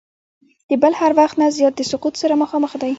د بل هر وخت نه زیات د سقوط سره مخامخ دی.